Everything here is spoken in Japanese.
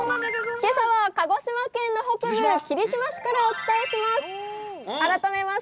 けさは、鹿児島県の北部、霧島市からお伝えします。